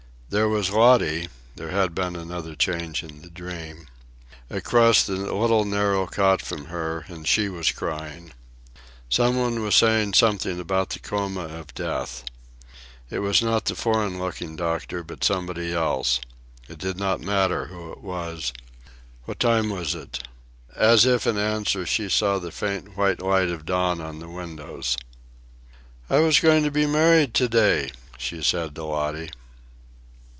There was Lottie (there had been another change in the dream), across the little narrow cot from her, and she was crying. Somebody was saying something about the coma of death. It was not the foreign looking doctor, but somebody else. It did not matter who it was. What time was it? As if in answer, she saw the faint white light of dawn on the windows. "I was going to be married to day," she said to Lottie.